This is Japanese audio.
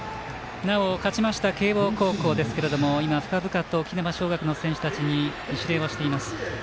勝ちました慶応高校深々と沖縄尚学の選手たちに一礼をしています。